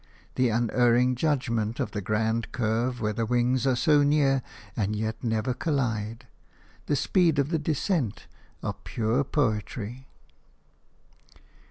The unerring judgment of the grand curve when the wings are so near and yet never collide, the speed of the descent, are pure poetry.